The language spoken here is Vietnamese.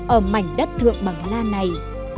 ở mảnh đất thượng bằng la này